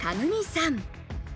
さん。